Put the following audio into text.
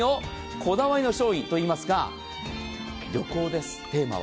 こだわりの商品といいますか旅行です、テーマは。